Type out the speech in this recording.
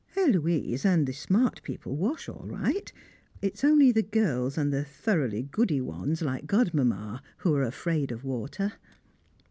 Héloise and the smart people wash all right; it is only the girls and the thoroughly goody ones like Godmamma who are afraid of water.